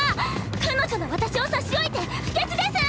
彼女の私を差し置いて不潔です！